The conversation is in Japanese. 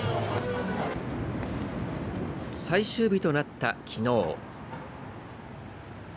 最終日となった、きのう。